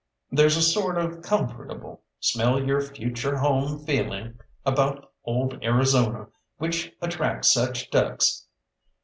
There's a sort of comfortable, smell your future home feeling about old Arizona which attracts such ducks.